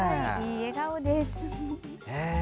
いい笑顔です。